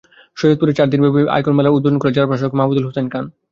শরীয়তপুরে চার দিনব্যাপী আয়কর মেলার উদ্বোধন করেন জেলা প্রশাসক মাহমুদুল হোসাইন খান।